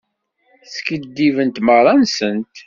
Skiddibent merra-nsent.